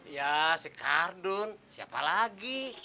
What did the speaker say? ya si kardun siapa lagi